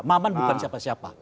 maman bukan siapa siapa